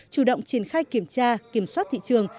chủ động triển khai kiểm tra kiểm soát thị trường